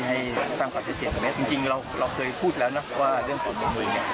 ให้สร้างความชัดเจนสำเร็จจริงเราเคยพูดแล้วนะว่าเรื่องของบริเวณเนี่ย